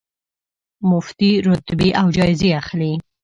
مفتې رتبې او جایزې اخلي.